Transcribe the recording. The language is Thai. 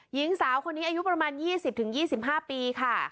หญิงสาวคนนี้อายุประมาณ๒๐๒๕ปีค่ะ